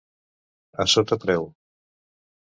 A sota preu.